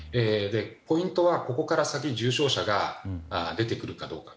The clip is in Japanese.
ポイントはここから先重症者が出てくるかどうか。